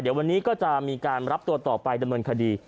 เดี๋ยววันนี้ก็จะมีการรับตัวต่อไปดำเนินคดี